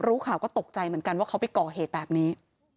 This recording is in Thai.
รู้ข่าวก็ตกใจเหมือนกันว่าเขาไปก่อเหตุแบบนี้